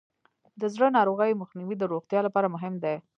د زړه ناروغیو مخنیوی د روغتیا لپاره مهم دی.